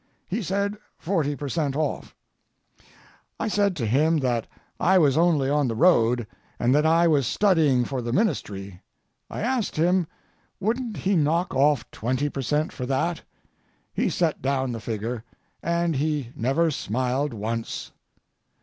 He said: "Forty per cent. off." I said to him that I was only on the road, and that I was studying for the ministry. I asked him wouldn't he knock off twenty per cent. for that. He set down the figure, and he never smiled once.